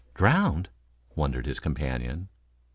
"Drowned?" wondered his companion.